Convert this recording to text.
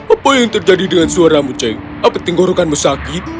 apa yang terjadi dengan suaramu ceng apa tenggorokanmu sakit